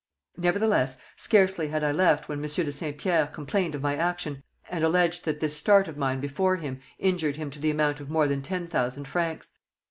Nevertheless, scarcely had I left when Monsieur de Saint Pierre complained of my action and alleged that this start of mine before him injured him to the amount of more than ten thousand francs.